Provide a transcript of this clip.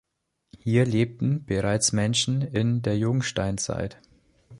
Hier lebten bereits Menschen in der Jungsteinzeit.